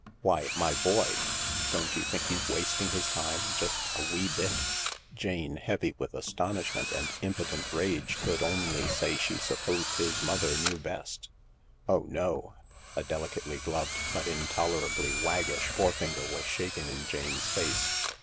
" Why, my boy. Don't you think he's wasting his time, just a wee bit ?" Jane, heavy with astonishment and impotent rage, could only say she supposed his mother knew best. " Oh no I " A delicately gloved but intolerably waggish forefinger was shaken in Jane's face.